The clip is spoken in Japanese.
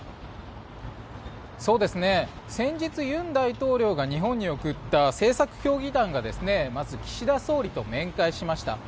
先日、尹大統領が日本に送った政策協議団がまず岸田総理と面会しました。